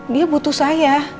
dia butuh saya